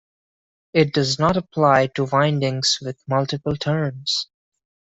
It does not apply to windings with multiple turns.